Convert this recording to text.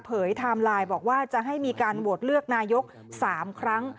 เผยไทม์ไลน์บอกว่าจะให้มีการโหวตเลือกนายกรัฐมนตรี๓ครั้ง